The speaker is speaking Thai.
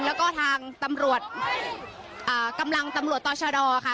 แล้วก็ทางกำลังตำรวจต่อชาดอลค่ะ